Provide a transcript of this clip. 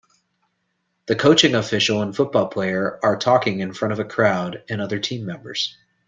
The coaching official and football player are talking in front a crowd and other team members.